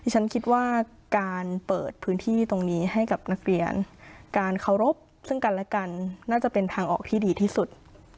ฉันคิดว่าการเปิดพื้นที่ตรงนี้ให้กับนักเรียนการเคารพซึ่งกันและกันน่าจะเป็นทางออกที่ดีที่สุด